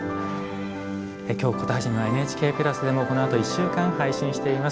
「京コトはじめ」はＮＨＫプラスでもこのあと１週間配信しています。